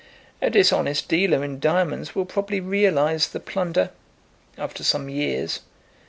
"A dishonest dealer in diamonds will probably realise the plunder, after some years.